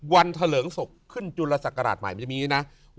เถลิงศพขึ้นจุลศักราชใหม่มันจะมีอย่างนี้นะ